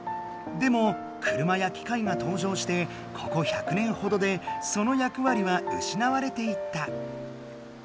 でも車やきかいが登場してここ１００年ほどでそのやくわりはうしなわれていった。